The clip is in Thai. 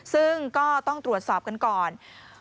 ซึ่งก็ต้องตรวจสอบกันก่อน